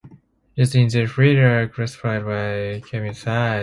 Jets in their fleet are classified by cabin size.